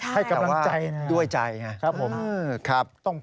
ให้กำลังใจนะครับผมแต่ว่าด้วยใจ